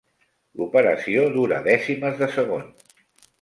L'operació dura dècimes de segon.